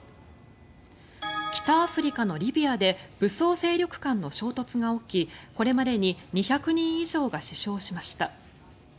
北アフリカのリビアで武装勢力間の衝突が起きこれまでに２００人以上が死傷しました。